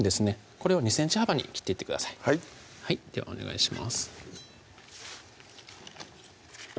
これを２ｃｍ幅に切っていってくださいではお願いします